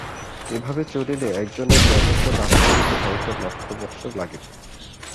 এভাবে চলিলে একজনের দেবত্ব লাভ করিতে হয়তো লক্ষ বৎসর লাগিবে।